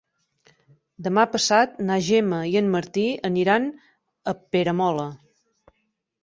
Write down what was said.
Demà passat na Gemma i en Martí aniran a Peramola.